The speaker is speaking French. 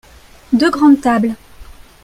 deux grandes tables.